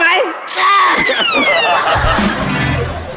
กล้าไหมกล้า